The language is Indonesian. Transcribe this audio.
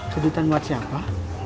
kejutan buat siapa